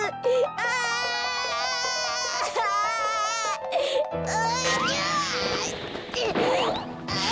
ああ。